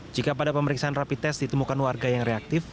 jika pada pemeriksaan rapid test ditemukan warga yang reaktif